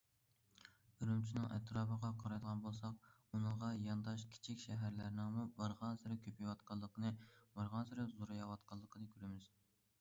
ئۈرۈمچىنىڭ ئەتراپىغا قارايدىغان بولساق، ئۇنىڭغا يانداش كىچىك شەھەرلەرنىڭمۇ بارغانسېرى كۆپىيىۋاتقانلىقىنى، بارغانسېرى زورىيىۋاتقانلىقىنى كۆرىمىز.